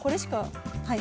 はい。